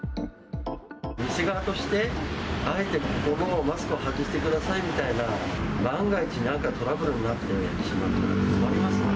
店側として、あえてここ、マスクを外してくださいと、万が一、なんかトラブルになってしまったら困りますので。